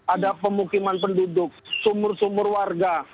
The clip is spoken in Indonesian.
ada pemukiman penduduk sumur sumur warga